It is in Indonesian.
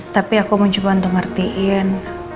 tapi aku mau coba untuk ngertiin